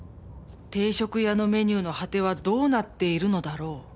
定食屋のメニューの果てはどうなっているのだろう」